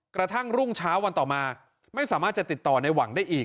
กระทั่งรุ่งเช้าวันต่อมาไม่สามารถจะติดต่อในหวังได้อีก